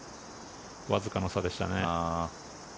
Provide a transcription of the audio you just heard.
わずかの差でしたね。